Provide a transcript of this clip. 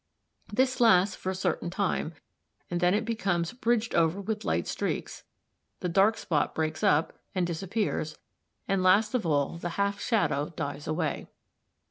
This lasts for a certain time and then it becomes bridged over with light streaks, the dark spot breaks up and disappears, and last of all the half shadow dies away.